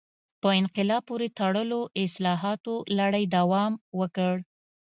په انقلاب پورې تړلو اصلاحاتو لړۍ دوام وکړ.